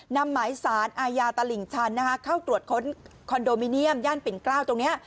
นำหมายสารอาญาตลิ่งชันเข้าตรวจค้นคอนโดมิเนียมย่านปิ่นเกล้าวตรงนี้